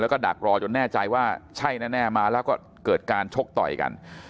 แล้วก็ดักรอจนแน่ใจว่าใช่แน่มาแล้วก็เกิดการชกต่อยกัน